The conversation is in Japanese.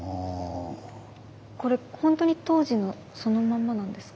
これほんとに当時のそのまんまなんですか？